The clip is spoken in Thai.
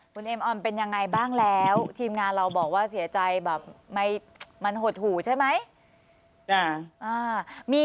คุณเอมออนเป็นยังไงบ้างแล้วทีมงานเราบอกว่าเสียใจแบบมันหดหูใช่ไหม